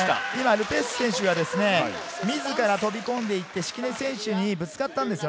ル・ペシュ選手は自ら飛び込んでいって、敷根選手にぶつかったんです。